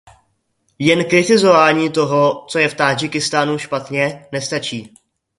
Jen kritizování toho, co je v Tádžikistánu špatně, nestačí.